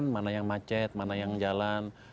mana yang macet mana yang jalan